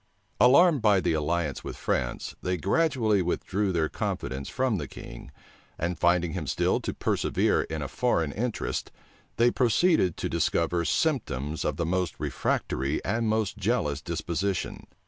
Alarmed by the alliance with France, they gradually withdrew their confidence from the king; and finding him still to persevere in a foreign interest, they proceeded to discover symptoms of the most refractory and most jealous disposition.